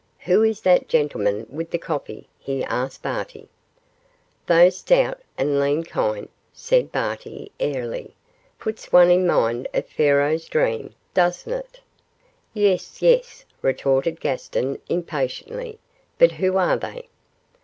'Who is that gentleman with the coffee?' he asked Barty. 'Those stout and lean kine,' said Barty, airily, 'puts one in mind of Pharaoh's dream, doesn't it?' 'Yes, yes!' retorted Gaston, impatiently; 'but who are they?